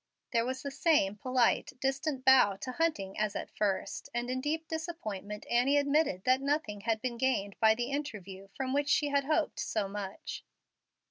There was the same polite, distant bow to Hunting as at first, and in deep disappointment Annie admitted that nothing had been gained by the interview from which she had hoped so much.